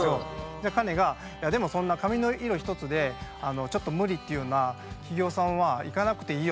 でカネが「でもそんな髪の色ひとつでちょっと無理って言うような企業さんは行かなくていいよ」。